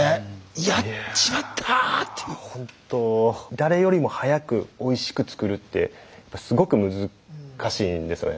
誰よりも早くおいしく作るってすごく難しいんですよね。